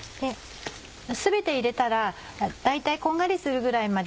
全て入れたら大体こんがりするぐらいまで。